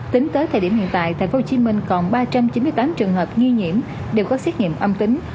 tính tới thời điểm hiện tại tp hcm còn ba trăm chín mươi tám trường hợp nghi nhiễm đều có xét nghiệm âm tính